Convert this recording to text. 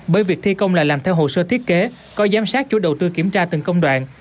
bởi việc thi công là làm theo hồ sơ thiết kế có giám sát chủ đầu tư kiểm tra từng công đoạn